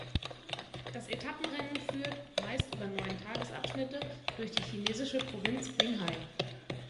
Das Etappenrennen führt, meist über neun Tagesabschnitte, durch die chinesische Provinz Qinghai.